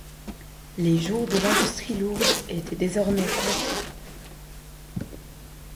Les jours de l'industrie lourde étaient désormais comptés.